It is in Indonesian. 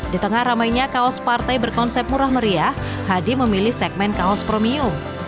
di tengah ramainya kaos partai berkonsep murah meriah hadi memilih segmen kaos premium